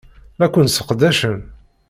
La ken-sseqdacen.